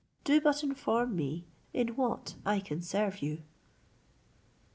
Do but inform me in what I can serve you."